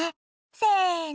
せの。